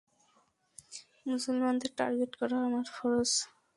মুসলমানদেরকে টার্গেট করা আমার ফরজ।